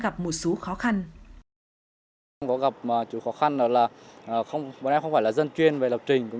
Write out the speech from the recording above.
gặp một số khó khăn có gặp chủ khó khăn đó là bọn em không phải là dân chuyên về lập trình cũng